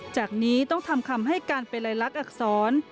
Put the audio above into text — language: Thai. จากนี้ต้องทำคำให้การเป็นลายลักษณอักษร